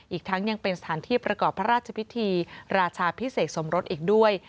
อีกทั้งยังเป็นสถานที่ประกอบพระราชพิธีราชาพิเศษสมรสอีกด้วย